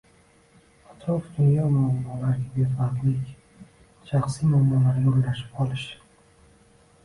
atrof dunyo muammolariga befarqlik, shaxsiy muammolarga o‘ralashib qolish;